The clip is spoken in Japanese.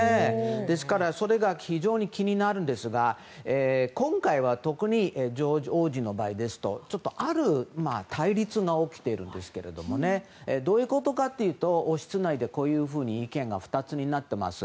ですからそれが非常に気になるんですが今回は特にジョージ王子の場合ですとある対立が起きているんですけどねどういうことかというと王室内で意見が２つになってます。